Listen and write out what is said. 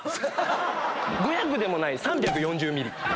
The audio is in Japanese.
５００でもない３４０ミリ。